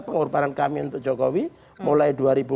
pengorbanan kami untuk jokowi mulai